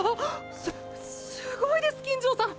すすごいです金城さん！！